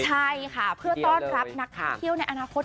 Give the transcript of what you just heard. ใช่ค่ะเพื่อต้อนรับนักท่องเที่ยวในอนาคต